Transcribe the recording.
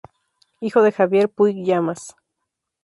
Hijo de Javier Puig Llamas.